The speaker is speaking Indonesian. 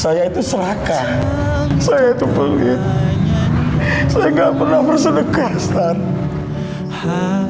saya itu serakah saya itu belia saya enggak pernah bersedekah